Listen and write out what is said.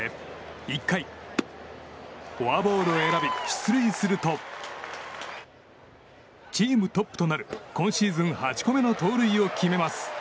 １回、フォアボールを選び出塁するとチームトップとなる今シーズン８個目の盗塁を決めます。